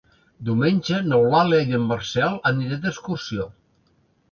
Diumenge n'Eulàlia i en Marcel aniré d'excursió.